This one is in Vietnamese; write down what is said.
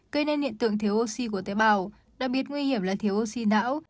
gây nên hiện tượng thiếu oxy của tế bào đặc biệt nguy hiểm là thiếu oxy não